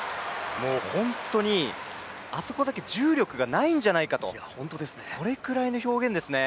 本当にあそこだけ重力がないんじゃないかとそれくらいの表現ですね。